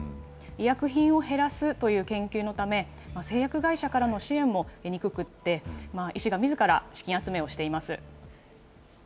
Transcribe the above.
医薬品を減らすという研究のため、製薬会社からの支援も得にくくて、医師がみずから資金集めをしています。